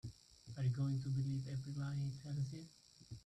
Are you going to believe every lie he tells you?